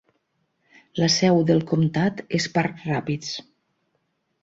La seu del comtat és Park Rapids.